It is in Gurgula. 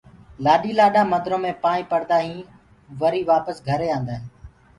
لآڏي لآڏآ مندرو مي پائينٚ پڙدآ هينٚ وري وآپس گھري آندآ هينٚ